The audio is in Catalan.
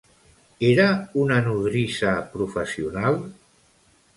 Era una nodrissa professional?